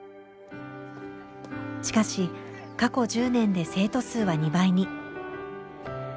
しかし過去１０年で生徒数は２倍に。